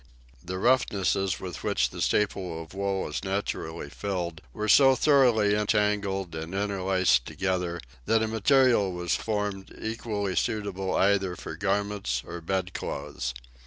The roughnesses with which the staple of wool is naturally filled were so thoroughly entangled and interlaced together that a material was formed equally suitable either for garments or bedclothes.